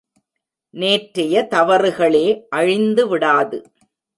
நேற்றைய தவறுகளே அழிந்துவிடாது.